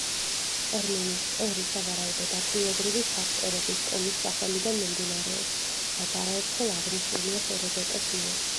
ტერმინი სპერი, სავარაუდოდ ადგილობრივი სასპერების ტომის სახელიდან მომდინარეობს, რაც არაერთხელ აღნიშნულია ჰეროდოტეს მიერ.